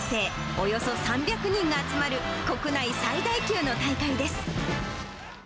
およそ３００人が集まる国内最大級の大会です。